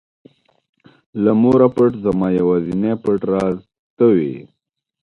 له موره پټ زما یوازینى پټ راز ته وې.